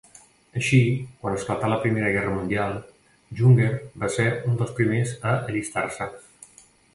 Així, quan esclatà la Primera Guerra mundial, Jünger va ser un dels primers a allistar-se.